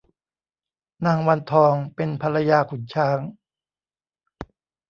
นางวันทองเป็นภรรยาขุนช้าง